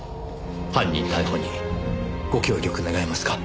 犯人逮捕にご協力願えますか？